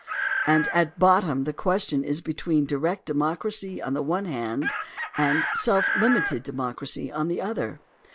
And at bottom the question is between direct democracy on the one hand and self limited democracy on the other.